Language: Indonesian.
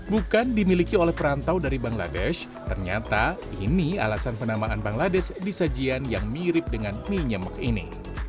bukan dimiliki oleh perantau dari bangladesh ternyata ini alasan penamaan bangladesh di sajian yang mirip dengan mie nyemek ini